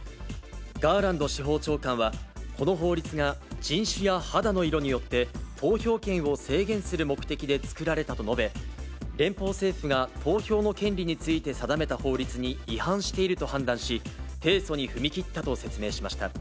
ガーランド司法長官は、この法律が人種や肌の色によって、投票権を制限する目的で作られたと述べ、連邦政府が投票の権利について定めた法律に違反していると判断し、提訴に踏み切ったと説明しました。